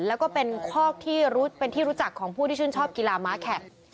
แล้วก็เป็นคอกที่เป็นที่รู้จักของผู้ที่ชื่นชอบกีฬาม้าแขก